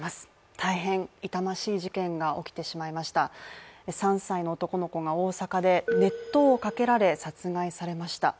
大変痛ましい事件が起きてしまいました３歳の男の子が大阪で熱湯をかけられ殺害されました。